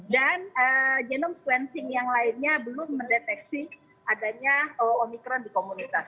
dan genomes cleansing yang lainnya belum mendeteksi adanya omikron di komunitas